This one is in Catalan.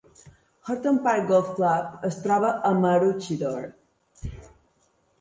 Horton Park Golf Club es troba a Maroochydore.